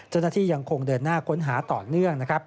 เจ้าหน้าที่ยังคงเดินหน้าค้นหาต่อเนื่องนะครับ